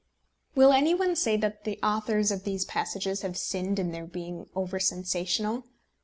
Will any one say that the authors of these passages have sinned in being over sensational?